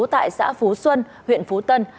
tại xã phú xuân huyện phú tân